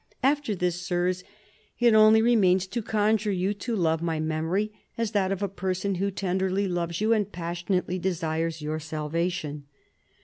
" After this, Sirs, it only remains to conjure you to love my memory as that of a person who tenderly loves you and passionately desires your salvation."